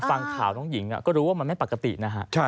ฟังข่าวน้องหญิงก็รู้ว่ามันไม่ปกตินะฮะ